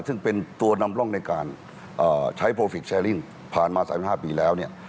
ซึ่งเป็นตัวนำร่องในการใช้โปรฟิกแชร์ลิ่งผ่านมา๓๕ปีแล้วเนี่ย